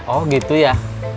oh gitu ya